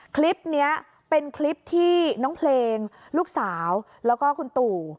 คลิปนี้เป็นคลิปที่น้องเพลงลูกสาวแล้วก็คุณตู่